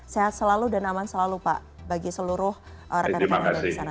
sehat selalu dan aman selalu pak bagi seluruh rekan rekan yang ada di sana